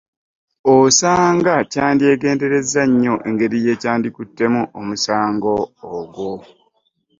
Osanga kyandyegenderezza nnyo engeri gye kyandikuttemu omusango ogwo